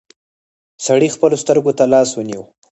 سړي خپلو سترګو ته لاس ونيو.